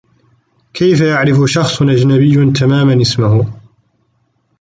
كيف يعرف شخص أجنبيّ تماما اسمه؟